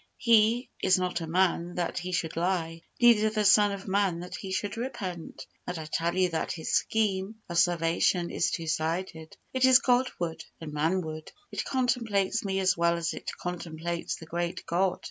He "is not a man, that He should lie: neither the Son of man, that He should repent:" and I tell you that His scheme of salvation is two sided it is God ward and man ward. It contemplates me as well as it contemplates the great God.